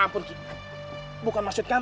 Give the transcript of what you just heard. ampun ki bukan maksud kamu